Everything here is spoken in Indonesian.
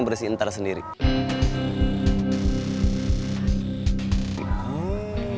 sekalian cari kesempatan clbk